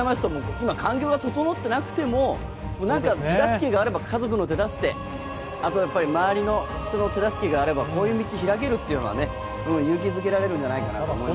今、環境が整っていなくても家族の手助け、あと周りの人の手助けがあればこういう道が開けるというのは勇気づけられるんじゃないかと思います。